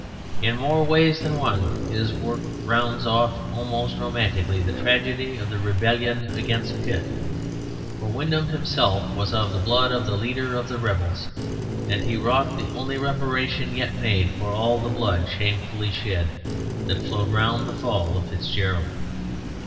In more ways than one his work rounds off almost romantically the tragedy of the rebellion against Pitt, for Wyndham himself was of the blood of the leader of the rebels, and he wrought the only reparation yet made for all the blood, shamefully shed, that flowed around the fall of FitzGerald.